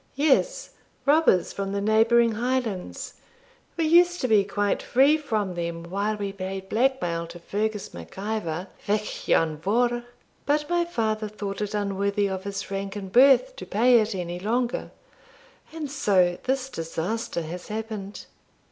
'Yes; robbers from the neighbouring Highlands. We used to be quite free from them while we paid blackmail to Fergus Mac Ivor Vich Ian Vohr; but my father thought it unworthy of his rank and birth to pay it any longer, and so this disaster has happened.